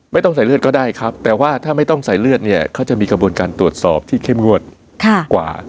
ไม่ต้องใส่เลือดก็ได้ครับแต่ว่าถ้าไม่ต้องใส่เลือดเนี่ยเขาจะมีกระบวนการตรวจสอบที่เข้มงวดกว่า